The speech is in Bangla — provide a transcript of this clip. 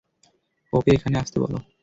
ওকে এখানে আসতে বলো।